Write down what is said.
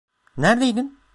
Neredeydin?